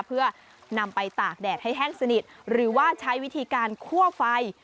เพื่อนำไปตากแดดให้แห้งสนิทหรือว่าใช้วิธีการคั่วไฟ